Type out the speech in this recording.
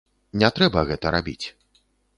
Не трэба гэта рабіць.